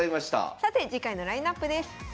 さて次回のラインナップです。